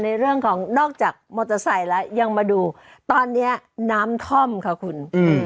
ในเรื่องของนอกจากมอเตอร์ไซค์แล้วยังมาดูตอนนี้น้ำท่อมค่ะคุณ